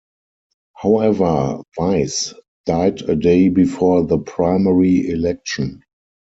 However, Weiss died a day before the primary election.